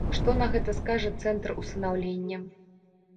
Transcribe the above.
Што на гэта скажа цэнтр усынаўлення?